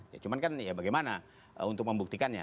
ya cuman kan ya bagaimana untuk membuktikannya